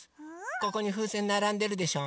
ここにふうせんならんでるでしょ？